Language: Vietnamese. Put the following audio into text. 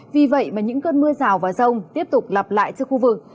vì vậy mà những cơn mưa rào và rông tiếp tục lặp lại cho khu vực